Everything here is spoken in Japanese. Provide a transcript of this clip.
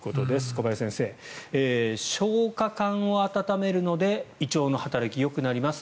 小林先生、消化管を温めるので胃腸の働きがよくなります。